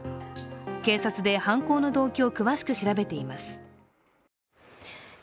警察で犯行の動機を詳しく調べています。